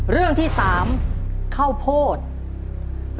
เรื่องที่๓เข้าโพธิ